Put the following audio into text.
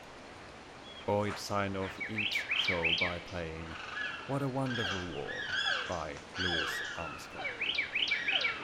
Boyd signed off each show by playing "What a Wonderful World" by Louis Armstrong.